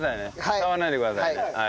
触らないでくださいね。